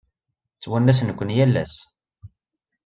Ttwanasen-ken yal ass.